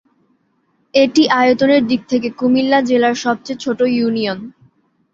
এটি আয়তনের দিক থেকে কুমিল্লা জেলার সবচেয়ে ছোট ইউনিয়ন।